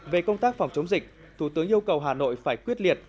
về công tác phòng chống dịch thủ tướng yêu cầu hà nội phải quyết liệt